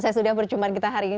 saya sudah percuma kita hari ini